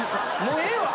もうええわ！